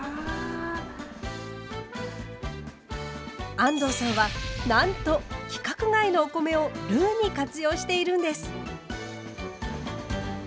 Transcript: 安藤さんは何と規格外のお米をルーに活用しているんです。